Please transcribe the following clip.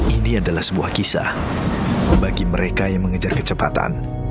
ini adalah sebuah kisah bagi mereka yang mengejar kecepatan